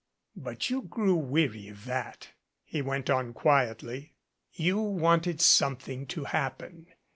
"But you grew weary of that," he went on quietly. "You wanted something to happen.